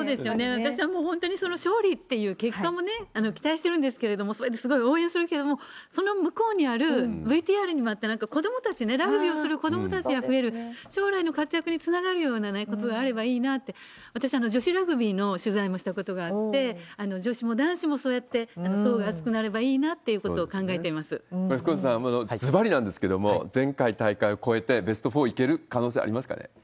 私はもう本当に、その勝利という結果も期待してるんですけど、そうやって応援する、その向こうにある、ＶＴＲにもあった、子どもたちね、ラグビーをする子どもたちが増える、将来の活躍につながるようなことがあればいいなって、私、女子ラグビーの取材もしたことがあって、女子も男子もそうやって層が厚くなればいいなっていうことを考え福岡さん、これ、ずばりなんですけれども、前回大会を超えて、ベスト４いける可能性ありますかね？